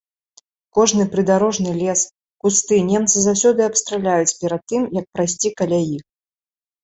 Кожны прыдарожны лес, кусты немцы заўсёды абстраляюць, перад тым як прайсці каля іх.